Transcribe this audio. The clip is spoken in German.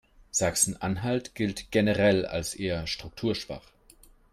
Sachsen-Anhalt gilt generell als eher strukturschwach.